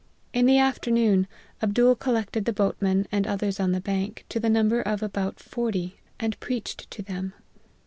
In the afternoon, Abdool collected the boatmen and others on the bank, to the number of about forty, and preached to them.